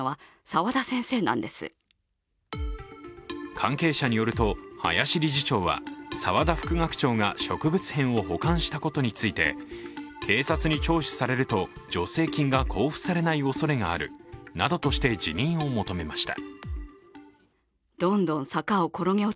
関係者によると、林理事長は沢田副学長が植物片を保管したことについて警察に聴取されると助成金が交付されないおそれがあるなどとして辞任を求めました。